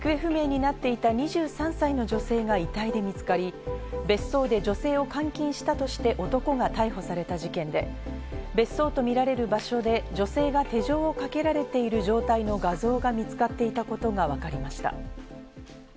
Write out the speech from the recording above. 茨城県内の林道で行方不明になっていた２３歳の女性が遺体で見つかり、別荘で女性を監禁したとして男が逮捕された事件で、別荘と見られる場所で女性が手錠をかけられている状態の画像が見つかっていたことがわかりました。